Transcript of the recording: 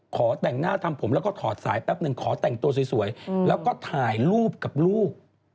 ขอแต่งหน้าทำผมแล้วก็ถอดสายแป๊บหนึ่งขอแต่งตัวสวยแล้วก็ถ่ายรูปกับลูก